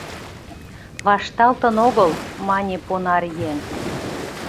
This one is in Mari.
— Вашталтын огыл, — мане понаръеҥ.